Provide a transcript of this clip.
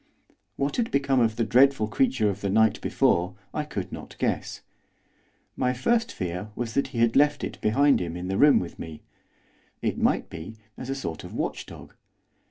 What had become of the dreadful creature of the night before I could not guess. My first fear was that he had left it behind him in the room with me, it might be, as a sort of watchdog.